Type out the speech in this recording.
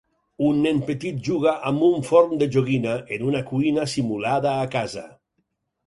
Un nen petit juga amb un forn de joguina en una cuina simulada a casa